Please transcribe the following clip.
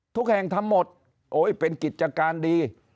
ทุกแห่งทำหมดโอ้ยเป็นกิจการดี